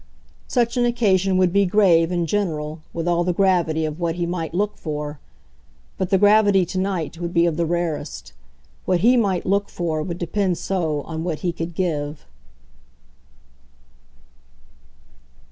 Such an occasion would be grave, in general, with all the gravity of what he might look for. But the gravity to night would be of the rarest; what he might look for would depend so on what he could give.